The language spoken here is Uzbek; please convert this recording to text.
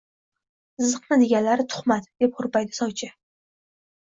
– Ziqna deganlari – tuhmat! – deb hurpaydi sovchi